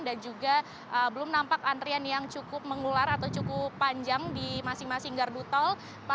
dan juga belum nampak antrian yang cukup mengular atau cukup panjang di masing masing gardu tol